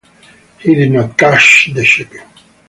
He did not cash the cheque.